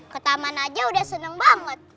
ketaman aja udah seneng banget